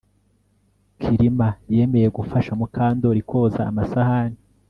Kirima yemeye gufasha Mukandoli koza amasahani